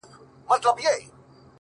• تر پرون مي يوه کمه ده راوړې ـ